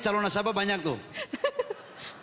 calon nasabah banyak tuh